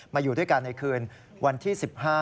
อยู่ด้วยกันในคืนวันที่๑๕